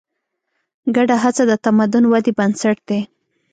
ګډه هڅه د تمدن ودې بنسټ دی.